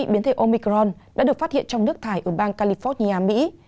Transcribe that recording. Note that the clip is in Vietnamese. biến thể omicron đã được phát hiện trong nước thải ở bang california mỹ